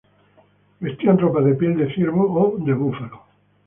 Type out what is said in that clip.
Vestían ropas de piel de ciervo o de búfalo.